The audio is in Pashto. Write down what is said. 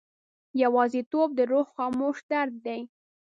یوازیتوب د روح خاموش درد دی.